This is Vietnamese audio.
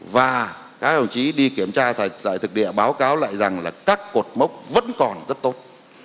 và các đồng chí đi kiểm tra tại thực địa báo cáo lại rằng là các cột mốc vẫn còn rất tốt